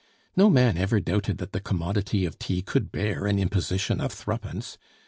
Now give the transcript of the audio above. No man ever doubted that the commodity of tea could bear an imposition of threepence.